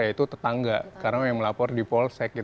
yaitu tetangga karena yang melapor di polsek